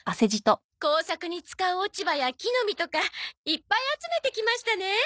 工作に使う落ち葉や木の実とかいっぱい集めてきましたね。